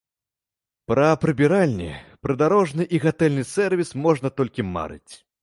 Пра прыбіральні, прыдарожны і гатэльны сервіс можна толькі марыць.